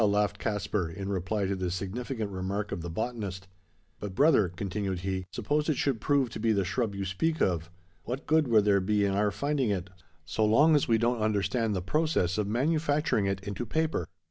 laughed Caspar, in reply to the significant remark of the botanist. "But, brother!" continued he, "suppose it should prove to be the shrub you speak of, what good would there be in our finding it, so long as we don't understand the process of manufacturing it into paper?"